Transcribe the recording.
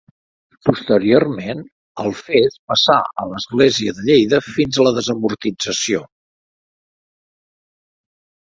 Posteriorment, Alfés passà a l'església de Lleida, fins a la desamortització.